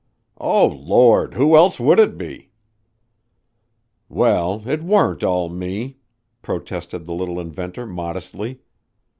"Oh, Lord! Who else would it be?" "Well, it warn't all me," protested the little inventor modestly.